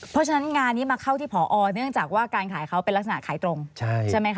เพราะฉะนั้นงานนี้มาเข้าที่ผอเนื่องจากว่าการขายเขาเป็นลักษณะขายตรงใช่ไหมคะ